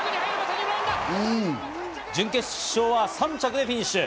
準決勝は３着でフィニッシュ。